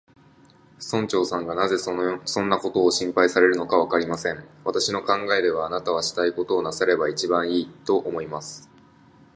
村長さんがなぜそんなことを心配されるのか、わかりません。私の考えでは、あなたはしたいことをなさればいちばんいい、と思います。